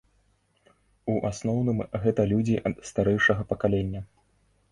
У асноўным гэта людзі старэйшага пакалення.